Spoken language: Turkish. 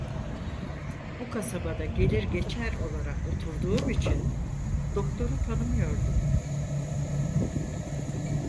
Bu kasabada gelir geçer olarak oturduğum için doktoru tanımıyordum.